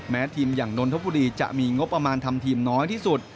ทีมอย่างนนทบุรีจะมีงบประมาณทำทีมน้อยที่สุด